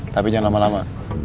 tapi jangan lama lama